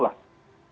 dua faktor itu lah